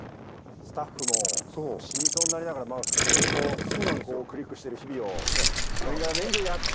スタッフも死にそうになりながらマウスずっとクリックしてる日々を年がら年中やって。